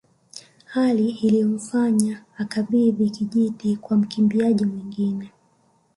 Hali iliyomfanya akabidhi kijiti kwa mkimbiaji mwingine